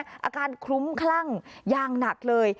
อาการคลุ้มคลั่งอย่างหนักเลย